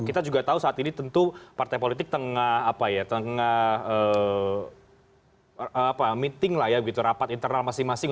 kita juga tahu saat ini tentu partai politik tengah meeting lah ya begitu rapat internal masing masing